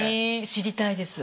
知りたいです。